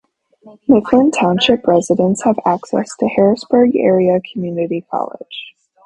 Mifflin Township residents have access to Harrisburg Area Community College.